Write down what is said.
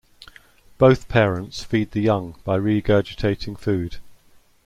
Both parents feed the young by regurgitating food.